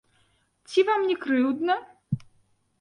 Ці вам не крыўдна?